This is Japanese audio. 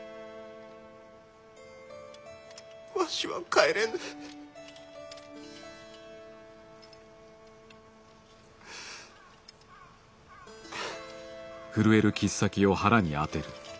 わしは帰れぬ。は。